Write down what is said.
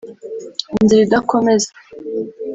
inzira idakomeza